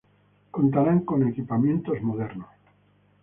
Contarán con equipamientos modernos.